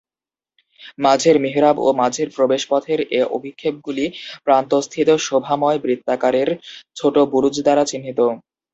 মাঝের মিহরাব ও মাঝের প্রবেশপথের এ অভিক্ষেপগুলি প্রান্তস্থিত শোভাময় বৃত্তাকারের ছোট বুরুজ দ্বারা চিহ্নিত।